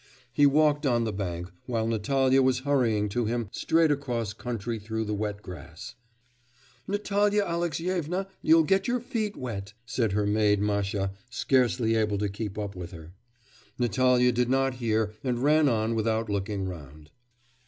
He walked on the bank, while Natalya was hurrying to him straight across country through the wet grass. 'Natalya Alexyevna, you'll get your feet wet!' said her maid Masha, scarcely able to keep up with her. Natalya did not hear and ran on without looking round.